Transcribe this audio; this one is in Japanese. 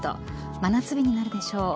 真夏日になるでしょう。